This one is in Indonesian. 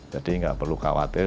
jadi gak perlu khawatir